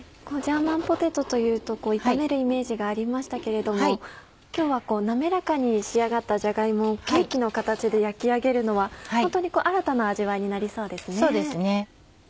ジャーマンポテトというと炒めるイメージがありましたけれども今日はなめらかに仕上がったじゃが芋をケーキの形で焼き上げるのは本当に新たな味わいになりそうですね。